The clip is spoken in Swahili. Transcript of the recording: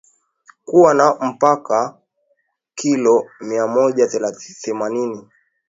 kuwa na mpaka kilo miamoja themanini